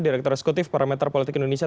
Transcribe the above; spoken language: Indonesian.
direktur eksekutif parameter politik indonesia